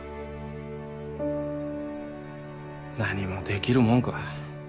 何もできるもんか。